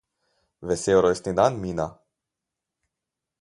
Vesel rojstni dan Mina!